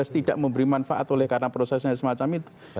tidak memberi manfaat oleh karena prosesnya semacam itu